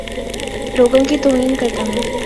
لوگوں کی توہین کرتا ہوں